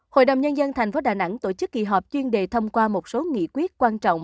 hội đồng nhân dân tp đà nẵng tổ chức kỳ họp chuyên đề thông qua một số nghị quyết quan trọng